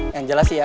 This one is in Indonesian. yang jelas sih ya